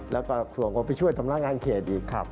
แล้วก็ข่วงของไปช่วยทำร่างงานเขตอีกครับ